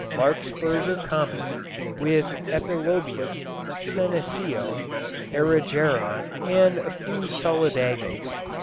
Larkspurs are common, with epilobium, senecio, erigeron, and a few solidagos.